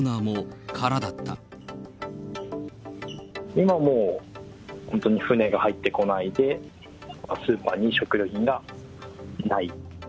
今も本当に船が入ってこないで、スーパーに食料品がない。